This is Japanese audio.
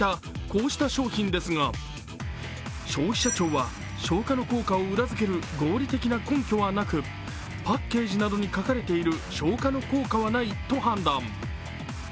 こうした商品ですが消費者庁は消火の効果を裏付ける合理的な効果はなくパッケージなどに書かれている消火の効果はないと判断。